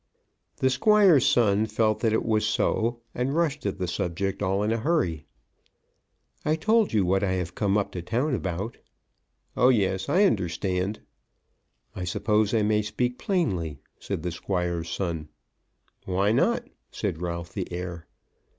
The Squire's son felt that it was so, and rushed at the subject all in a hurry. "I told you what I have come up to town about." "Oh, yes; I understand." "I suppose I may speak plainly," said the Squire's son. "Why not?" said Ralph the heir.